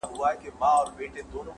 او د قبرونو پر کږو جنډيو٫